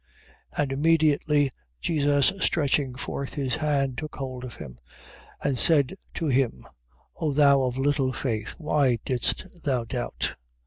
14:31. And immediately Jesus stretching forth his hand took hold of him, and said to him: O thou of little faith, why didst thou doubt?